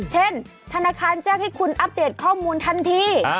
ธนาคารแจ้งให้คุณอัปเดตข้อมูลทันที